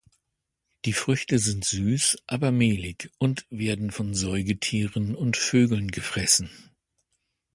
Die Früchte sind süß, aber mehlig, und werden von Säugetieren und Vögeln gefressen.